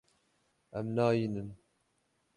Em nayînin.